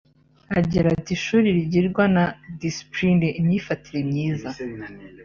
Agira ati “Ishuri rigirwa na ‘displine’ (imyifatire myiza)